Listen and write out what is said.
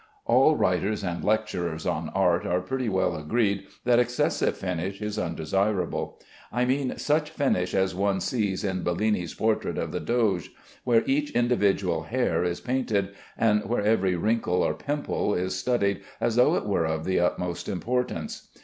All writers and lecturers on art are pretty well agreed that excessive finish is undesirable. I mean such finish as one sees in Bellini's portrait of the Doge, where each individual hair is painted, and where every wrinkle or pimple is studied as though it were of the utmost importance.